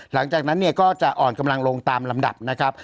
หลังจากนั้นเนี่ยก็จะอ่อนกำลังลงตามลำดับนะครับ